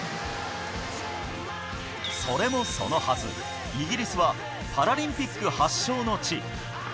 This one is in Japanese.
それもそのはず、イギリスはパラリンピック発祥の地。